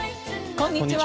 こんにちは。